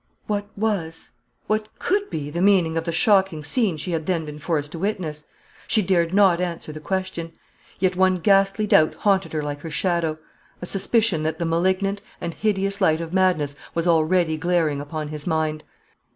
What was, what could be, the meaning of the shocking scene she had then been forced to witness? She dared not answer the question. Yet one ghastly doubt haunted her like her shadow a suspicion that the malignant and hideous light of madness was already glaring upon his mind.